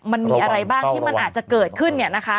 มันมีอะไรบ้างที่มันอาจจะเกิดขึ้นเนี่ยนะคะ